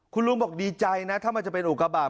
คุณลุงบอกดีใจนะถ้ามันจะเป็นอุกบาป